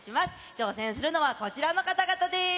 挑戦するのはこちらの方々です。